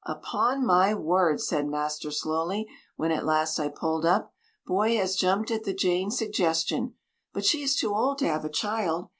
"Upon my word," said master slowly, when at last I pulled up. "Boy has jumped at the Jane suggestion but she is too old to have a child.